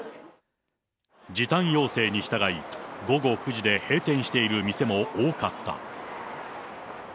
時短要請に従い、午後９時で閉店している店も多かった。